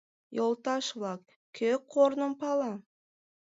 — Йолташ-влак, кӧ корным пала?..